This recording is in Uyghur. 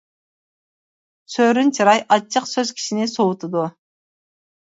سۆرۈن چىراي، ئاچچىق سۆز كىشىنى سوۋۇتىدۇ.